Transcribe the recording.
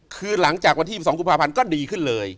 คือหลังจากวันที่๒๒กุมภาพันธ์ก็ดีขึ้นเลย